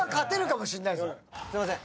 ⁉すいません。